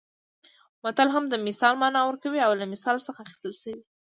متل هم د مثال مانا ورکوي او له مثل څخه اخیستل شوی